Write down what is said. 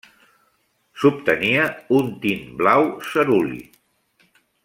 S'obtenia un tint blau ceruli.